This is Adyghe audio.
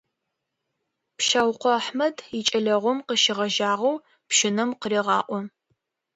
Пщаукъо Ахьмэд икӏэлэгъум къыщегъэжьагъэу пщынэм къырегъаӏо.